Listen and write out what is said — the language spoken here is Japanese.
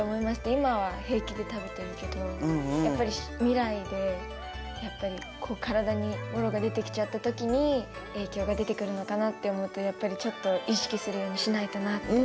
今は平気で食べてるけどやっぱり未来でこうからだにボロが出てきちゃった時に影響が出てくるのかなって思うとやっぱりちょっと意識するようにしないとなって。